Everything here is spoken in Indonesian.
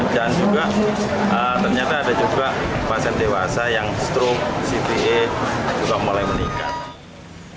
dan juga ternyata ada juga pasien dewasa yang strok cve juga mulai meningkat